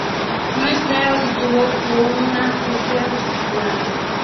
No es claro si tuvo o no una fenestra escapular.